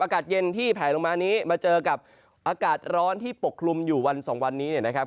อากาศเย็นที่แผลลงมานี้มาเจอกับอากาศร้อนที่ปกคลุมอยู่วันสองวันนี้เนี่ยนะครับ